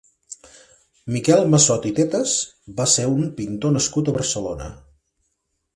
Miquel Massot i Tetas va ser un pintor nascut a Barcelona.